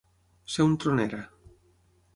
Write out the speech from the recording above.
Ser un tronera.